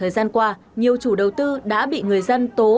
thời gian qua nhiều chủ đầu tư đã bị người dân tố